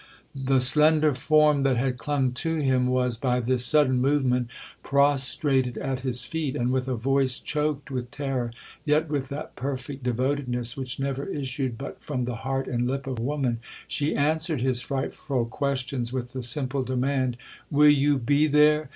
'The slender form that had clung to him was, by this sudden movement, prostrated at his feet; and, with a voice choaked with terror, yet with that perfect devotedness which never issued but from the heart and lip of woman, she answered his frightful questions with the simple demand, 'Will you be there?